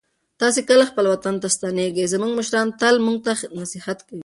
تاسې کله خپل وطن ته ستنېږئ؟ زموږ مشران تل موږ ته نصیحت کوي.